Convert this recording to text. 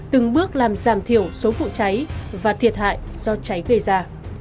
từng bước làm giảm thiểu số vụ cháy và thiệt hại do cháy gây ra